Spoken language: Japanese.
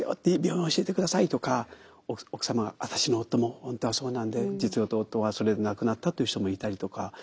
いい病院教えて下さい」とか奥様が「私の夫も本当はそうなんで実は夫はそれで亡くなった」という人もいたりとか。